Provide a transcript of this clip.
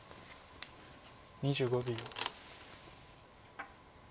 ２５秒。